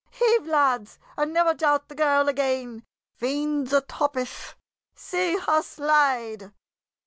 "Heave, lads, and never doubt the girl again! Fiends o' Topheth! See her slide!"